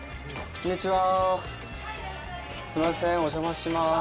こんにちは。